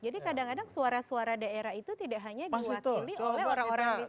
jadi kadang kadang suara suara daerah itu tidak hanya diwakili oleh orang orang di tanah